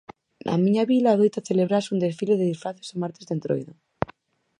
Na miña vila adoita celebrarse un desfile de disfraces o martes de Entroido